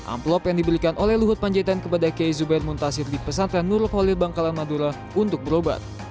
amplop yang diberikan oleh luhut panjaitan kepada kiai zubair muntasir di pesantren nurul khalil bangkalan madura untuk berobat